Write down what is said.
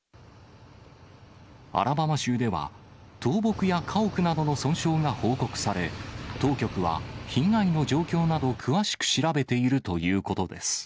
アラバマ州では、倒木や家屋などの損傷が報告され、当局は被害の状況など、詳しく調べているということです。